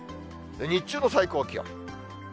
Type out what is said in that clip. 日中の最高気温。